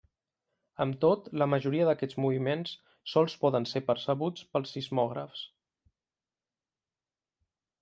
Amb tot, la majoria d'aquests moviments sols poden ser percebuts pels sismògrafs.